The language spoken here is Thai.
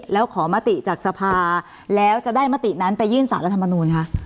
แล้วขอมติจากสภาแล้วจะได้มตินั้นไปยื่นสารรัฐมนูลคะ